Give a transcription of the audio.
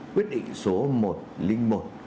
quyết định số một trăm linh một